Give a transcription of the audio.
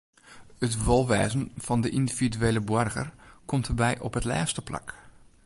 It wolwêzen fan de yndividuele boarger komt dêrby op it lêste plak.